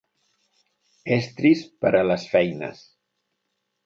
Estris per a les feines.